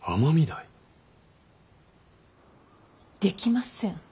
できません。